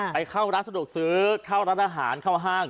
ไปเข้าร้านสะดวกซื้อเข้าร้านอาหารเข้าห้าง